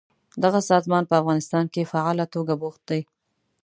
دغه سازمان په افغانستان کې فعاله توګه بوخت دی.